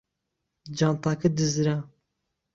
جانتاکە دزرا.